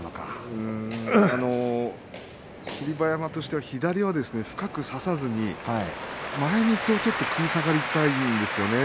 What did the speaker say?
霧馬山としては左を深く差さずに前みつを取って食い下がりたいんですよね。